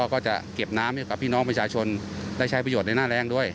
ก็จะเก็บน้ำให้กับพี่น้องประชาชนได้ใช้ประโยชน์ในหน้าแรงด้วย